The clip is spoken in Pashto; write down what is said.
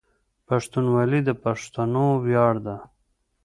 پښتونولي د پښتنو ویاړ ده.